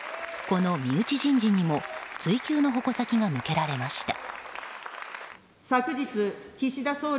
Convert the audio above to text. この身内人事にも追及の矛先が向けられました。